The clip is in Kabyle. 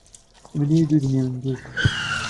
Mmel-iyi-d udem-im n tidet.